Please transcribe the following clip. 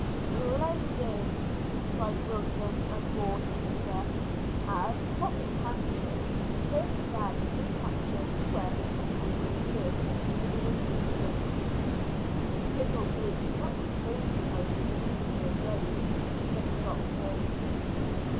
"Splendid!" cried Wilton and Bourne in a breath, as, hot and panting, Chris dragged his capture to where his companions stood watching the encounter. "They did not take much pains about retrieving their game," said the doctor.